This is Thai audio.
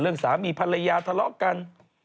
เรื่องสามีภาระยาทะเลาะกัน